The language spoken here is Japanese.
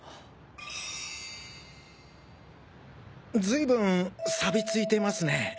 随分さび付いてますね